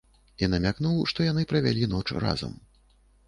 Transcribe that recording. І намякнуў, што яны правялі ноч разам.